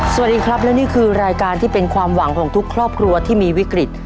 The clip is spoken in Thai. สวัสดีครับและนี่คือรายการที่เป็นความหวังของทุกครอบครัวที่มีวิกฤต